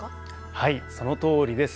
はいそのとおりです。